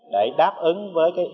để đáp ứng với kế hoạch